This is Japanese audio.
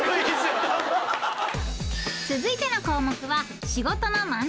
［続いての項目は］